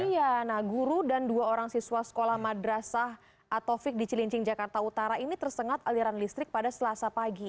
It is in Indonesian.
iya nah guru dan dua orang siswa sekolah madrasah atau fik di cilincing jakarta utara ini tersengat aliran listrik pada selasa pagi